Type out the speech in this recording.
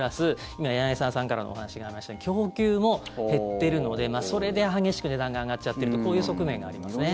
今、柳澤さんからのお話がありましたように供給も減っているのでそれで激しく値段が上がっちゃってるとこういう側面がありますね。